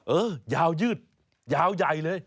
เออยาวยืดยาวใหญ่เลย